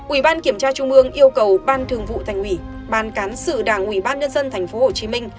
ủy ban kiểm tra trung ương yêu cầu ban thường vụ thành ủy ban cán sự đảng ủy ban nhân dân tp hcm